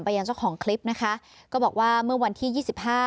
ยังเจ้าของคลิปนะคะก็บอกว่าเมื่อวันที่ยี่สิบห้า